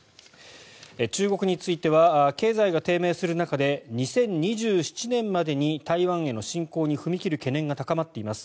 中国については経済が低迷する中で２０２７年までに台湾への進攻に踏み切る懸念が高まっています。